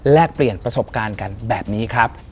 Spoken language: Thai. เปลี่ยนประสบการณ์กันแบบนี้ครับ